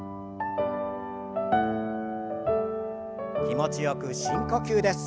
気持ちよく深呼吸です。